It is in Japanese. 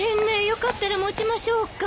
よかったら持ちましょうか？